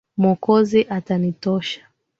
Mwokozi atanitosha.